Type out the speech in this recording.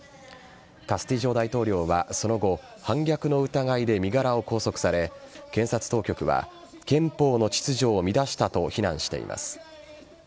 カスティジョ大統領はその後反逆の疑いで身柄を拘束され検察当局は憲法の秩序を乱したと非難しています。